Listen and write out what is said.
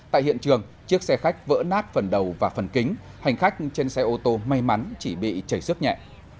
tại hiện trường chiếc xe khách vỡ nát phần đầu và phần kính hành khách trên xe ô tô may mắn chỉ bị chảy xước nhẹ